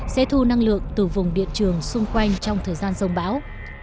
sẽ thu năng lượng từ vùng điện trường xung quanh trong thời gian dông bão